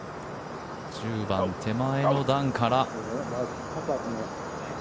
１０番、手前の段から。